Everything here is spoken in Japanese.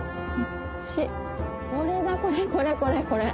これだこれこれこれ。